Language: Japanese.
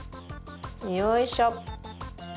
よいしょ。